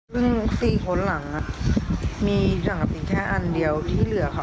พึ่ง๔คนหลังอ่ะมีจังหวัดถึงแค่อันเดียวที่เหลือค่ะ